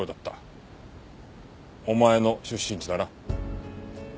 お前の出身地だな。